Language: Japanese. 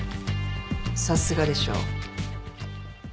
さすがでしょう？